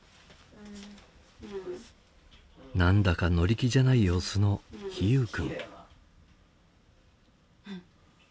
何だか乗り気じゃない様子の陽友君。